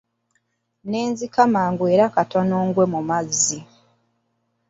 Ne nzika mangu era katono ngwe mu mazzi.